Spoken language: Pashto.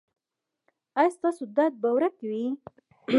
ایا ستاسو درد به ورک وي؟